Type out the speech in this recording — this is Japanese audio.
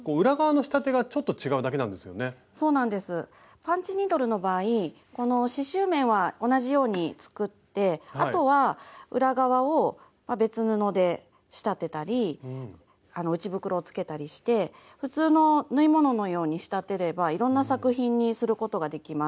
パンチニードルの場合この刺しゅう面は同じように作ってあとは裏側を別布で仕立てたり内袋をつけたりして普通の縫い物のように仕立てればいろんな作品にすることができます。